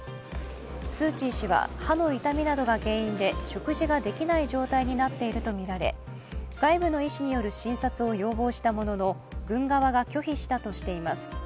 スー・チー氏は歯の痛みなどが原因で食事ができない状態になっているとみられ外部の医師による診察を要望したものの軍側が拒否したとしています。